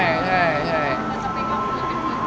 แต่งเล่นอยู่บ้างก็มีบ้าง